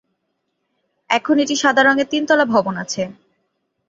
এখন এটি সাদা রঙের তিনতলা ভবন আছে।